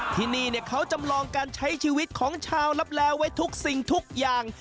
ที่นี่เขาจำลองการใช้ชีวิตของชาวลับแลไว้ทุกสิ่งทุกอย่าง